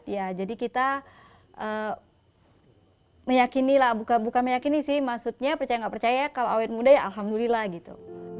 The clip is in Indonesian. ya jadi kita meyakini lah bukan meyakini sih maksudnya percaya nggak percaya kalau awer muda ya alhamdulillah gitu